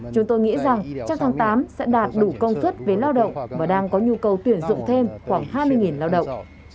chúng tôi nghĩ rằng trong tháng tám sẽ đạt đủ công suất về lao động và đang có nhu cầu tuyển dụng thêm khoảng hai mươi lao động